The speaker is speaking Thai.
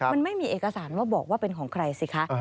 มันไม่มีเอกสารว่าบอกว่าเป็นของใครสิคะ